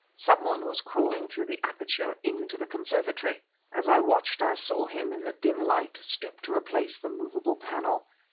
Some one was crawling through the aperture into the conservatory! As I watched I saw him, in the dim light, stoop to replace the movable panel.